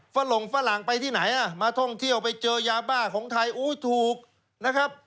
ฝรงฝรั่งไปที่ไหนล่ะมาท่องเที่ยวไปเจอยาบ้าของไทยอู้ถูกนะครับ